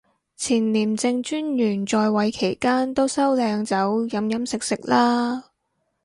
前廉政專員在位期間都收靚酒飲飲食食啦